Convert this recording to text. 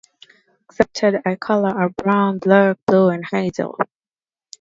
Accepted eye colors are black, brown, blue and hazel.